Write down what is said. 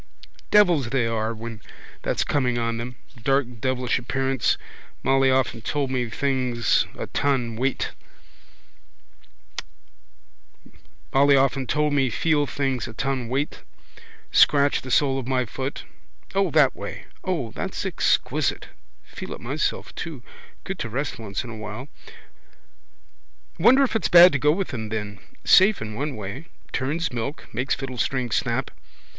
Devils they are when that's coming on them. Dark devilish appearance. Molly often told me feel things a ton weight. Scratch the sole of my foot. O that way! O, that's exquisite! Feel it myself too. Good to rest once in a way. Wonder if it's bad to go with them then. Safe in one way. Turns milk, makes fiddlestrings snap.